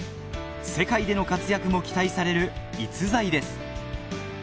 世界での活躍も期待される逸材です